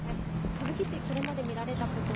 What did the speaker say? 歌舞伎ってこれまで見られたことは。